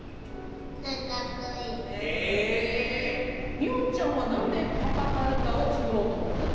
みおんちゃんはなんでパパカルタをつくろうとおもったの？